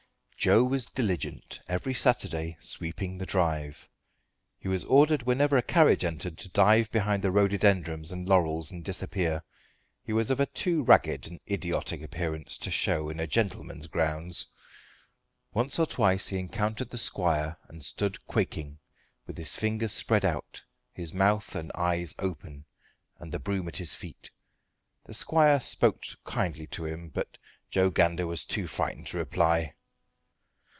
Joe was diligent every Saturday sweeping the drive. He was ordered whenever a carriage entered to dive behind the rhododendrons and laurels and disappear. He was of a too ragged and idiotic appearance to show in a gentleman's grounds. Once or twice he encountered the squire and stood quaking, with his fingers spread out, his mouth and eyes open, and the broom at his feet. The squire spoke kindly to him, but Joe Gander was too frightened to reply.